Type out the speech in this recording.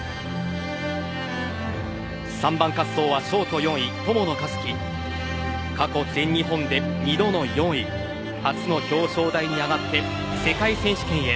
３番滑走はショート４位、友野一希過去、全日本で２度の４位。初の表彰台に上がって世界選手権へ。